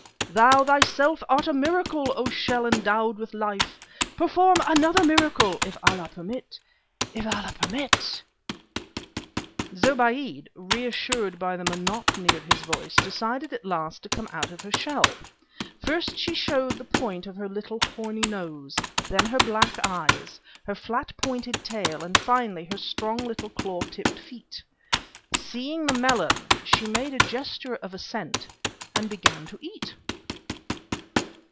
Thou thyself art a miracle, O shell endowed with life! Perform still another miracle, if Allah permit, if Allah permit!_" Zobéide, reassured by the monotony of his voice, decided at last to come out of her shell. First she showed the point of her little horny nose, then her black eyes, her flat pointed tail, and finally her strong little claw tipped feet. Seeing the melon, she made a gesture of assent, and began to eat.